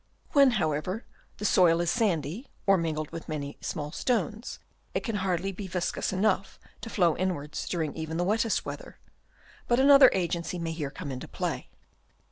When, however, the soil is sandy or mingled with many small stones, it can hardly be viscous enough to flow inwards during even the wettest weather; but another agency may here come into play.